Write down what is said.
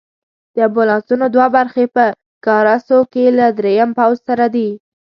د امبولانسونو دوه برخې په کارسو کې له دریم پوځ سره دي.